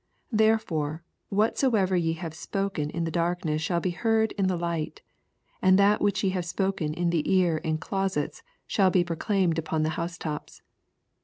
' 8 Therefore whatsoever ye have spoken in darkness shall be heard in tne light ; and that which ye have spoken in the ear in closets shall be proclaimed upon the housetops.